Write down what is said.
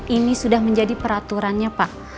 ini sudah menjadi peraturannya pak